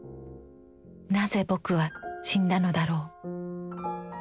なぜ「ぼく」は死んだのだろう。